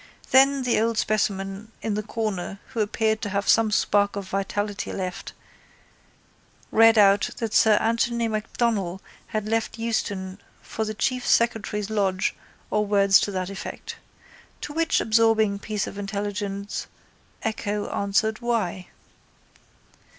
Then the old specimen in the corner who appeared to have some spark of vitality left read out that sir Anthony MacDonnell had left Euston for the chief secretary's lodge or words to that effect. To which absorbing piece of intelligence echo answered why.